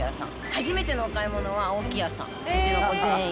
初めてのお買い物は青木屋さん、うちは全員。